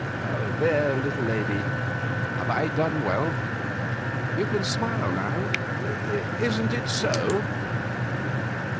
There, little lady, have I done well? You can smile now isn't it so?"